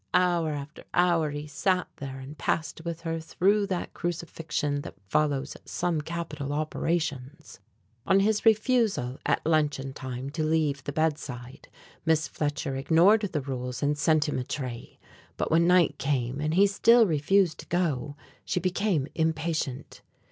Hour after hour he sat there and passed with her through that crucifixion that follows some capital operations. On his refusal at luncheon time to leave the bedside Miss Fletcher ignored the rules and sent him a tray; but when night came and he still refused to go, she became impatient.